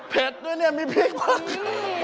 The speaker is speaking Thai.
เผ็ดด้วยนี่มีพริกมาก